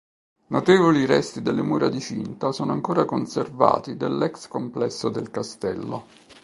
Notevoli resti delle mura di cinta sono ancora conservati dell'ex complesso del castello.